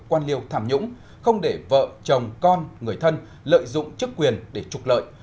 quan liêu tham nhũng không để vợ chồng con người thân lợi dụng chức quyền để trục lợi